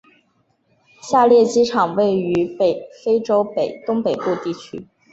下列机场位于非洲东北部地区。